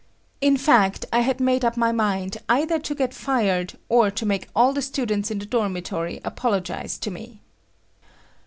In fact, I had made up my mind either to get fired or to make all the students in the dormitory apologize to me.